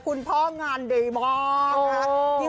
คุณพ่องานดีมาก